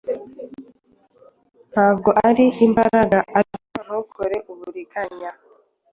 Ntabwo ari imbaraga, ariko ntukore uburiganya,